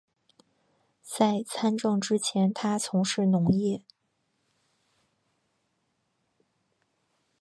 在参政之前他从事农业。